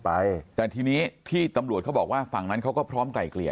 ไปแต่ทีนี้ที่ตำรวจเขาบอกว่าฝั่งนั้นเขาก็พร้อมไกลเกลี่ย